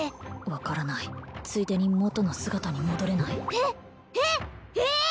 分からないついでに元の姿に戻れないえっえっえ！？